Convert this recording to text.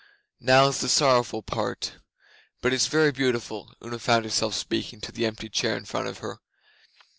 'Now's the sorrowful part, but it's very beautiful.' Una found herself speaking to the empty chair in front of her.